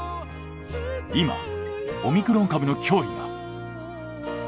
今オミクロン株の脅威が。